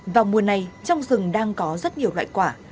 vào mùa này trong rừng đang có rất nhiều loại quả